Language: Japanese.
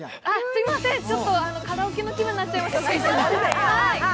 すみません、ちょっとカラオケの気分になっちゃいました。